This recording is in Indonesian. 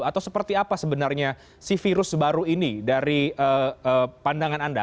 atau seperti apa sebenarnya si virus baru ini dari pandangan anda